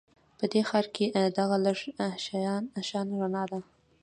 په دې ښار کې دغه لږه شان رڼا ده